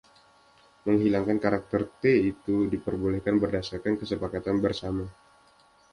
Menghilangkan karakter 'T' itu diperbolehkan berdasarkan kesepakatan bersama.